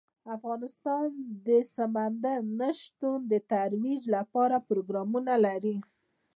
افغانستان د سمندر نه شتون د ترویج لپاره پروګرامونه لري.